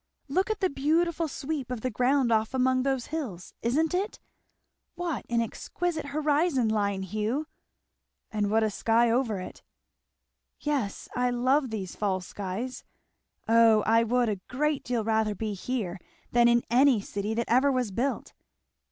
Look at the beautiful sweep of the ground off among those hills isn't it? What an exquisite horizon line, Hugh!" "And what a sky over it!" "Yes I love these fall skies. Oh I would a great deal rather be here than in any city that ever was built!"